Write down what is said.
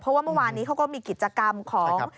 เพราะว่าเมื่อวานนี้เขาก็มีกิจกรรมของ